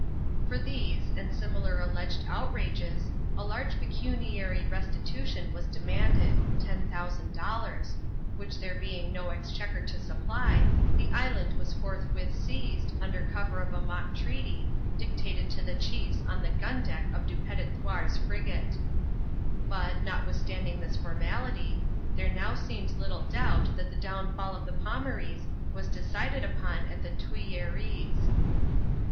For these, and similar alleged outrages, a large pecuniary restitution . was demanded (^10,000), which there being no exchequer to supply, the island was forthwith seized, under cover of a mock treaty, dictated to the chiefs on the gun deck of Du Petit Thouar's frigate. But, notwithstanding this for suility, there now seems little doubt that the downfall of the Pomarees was decided upon at the Tuilleries.